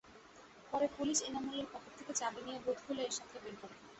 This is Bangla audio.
পরে পুলিশ এনামুলের পকেট থেকে চাবি নিয়ে বুথ খুলে এরশাদকে বের করে।